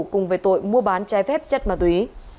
cùng về tội mua bán trái phép chất ma túy